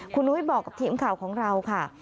คุณนุ้ยบอกกับทีมข่าวของเราค่ะ